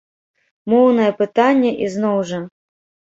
Моўнае пытанне, ізноў жа.